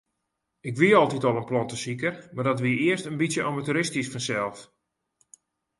Ik wie altyd al in plantesiker, mar dat wie earst in bytsje amateuristysk fansels.